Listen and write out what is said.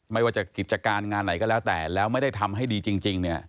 ไม่ว่าจะกิจการงานไหนก็แล้วแต่แล้วไม่ได้ทำให้ดีจริงเนี่ย